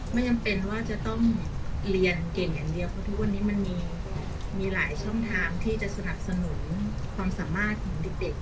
ไม่จำเป็นว่าจะต้องเรียนเก่งอย่างเดียวเพราะทุกวันนี้มันมีหลายช่องทางที่จะสนับสนุนความสามารถของเด็ก